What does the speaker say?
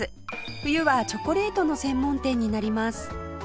冬はチョコレートの専門店になります